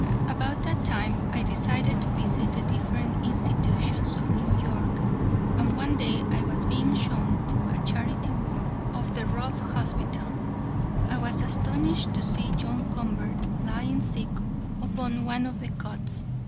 "'About that time I decided to visit the different institutions of New York, and one day as I was being shown through a charity ward of the Ruff Hospital, I was astonished to see John Convert lying sick upon one of the cots.